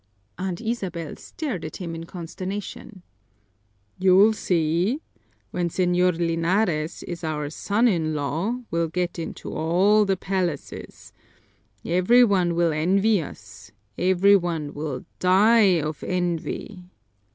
Aunt Isabel stared at him in consternation. "You'll see! When Señor Linares is our son in law we'll get into all the palaces. Every one will envy us, every one will die of envy!"